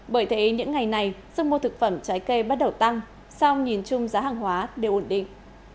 bởi thế những ngày này sức mua thực phẩm trái cây bắt đầu tăng sau nhìn chung giá hàng hóa đều ổn định